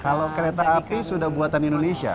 kalau kereta api sudah buatan indonesia